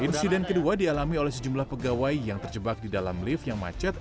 insiden kedua dialami oleh sejumlah pegawai yang terjebak di dalam lift yang macet